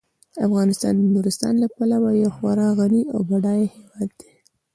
افغانستان د نورستان له پلوه یو خورا غني او بډایه هیواد دی.